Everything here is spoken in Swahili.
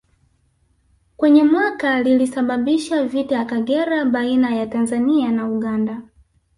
Kwenye mwaka lilisababisha vita ya Kagera baina ya Tanzania na Uganda